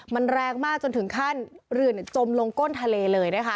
มันแรงมากจนถึงขั้นเรือจมลงก้นทะเลเลยนะคะ